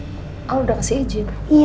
terus kata rena udah di izinin sama papanya